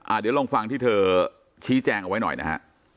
เดี๋ยวลองฟังที่เธอชี้แจงเอาไว้หน่อยนะฮะ